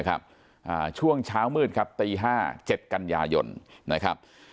ช่วงเช้ามืดครับตี๕๗กันยายนนะครับ